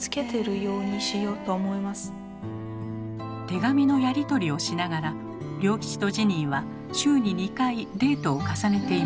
手紙のやり取りをしながら龍吉とジニーは週に２回デートを重ねていました。